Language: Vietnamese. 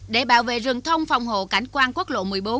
để bảo vệ rừng thông phòng hộ cảnh quan quốc lộ một mươi bốn